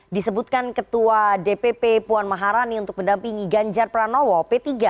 disebutkan ketua dpp puan maharani untuk mendampingi ganjar pranowo p tiga